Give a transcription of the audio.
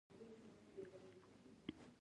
رسۍ مې پرې کړه، لاس مې تر ټاټ لاندې کړ.